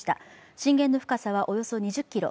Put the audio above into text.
震源の深さはおよそ２０ｋｍ。